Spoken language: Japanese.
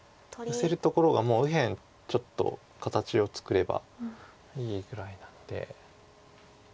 ヨセるところがもう右辺ちょっと形を作ればいいぐらいなんで。